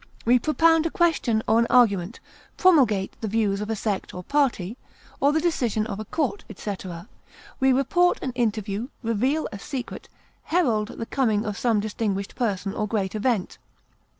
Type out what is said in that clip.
We propound a question or an argument, promulgate the views of a sect or party, or the decision of a court, etc. We report an interview, reveal a secret, herald the coming of some distinguished person or great event.